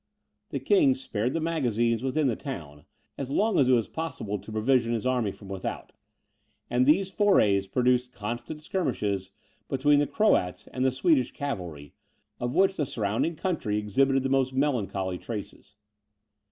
The King spared the magazines within the town, as long as it was possible to provision his army from without; and these forays produced constant skirmishes between the Croats and the Swedish cavalry, of which the surrounding country exhibited the most melancholy traces.